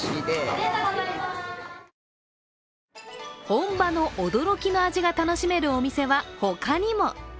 本場の驚きの味が楽しめるお店は他にも。